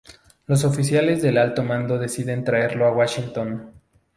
Los oficiales del alto mando deciden traerlo a Washington.